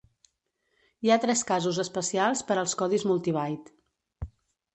Hi ha tres casos especials per als codis multibyte.